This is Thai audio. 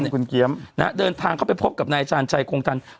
เกี๊ยมคุณเกี๊ยมนะเดินทางเขาไปพบกับนายอาจารย์ชายคงกัน